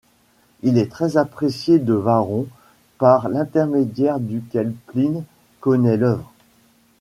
Il est très apprécié de Varron, par l'intermédiaire duquel Pline connaît l'œuvre.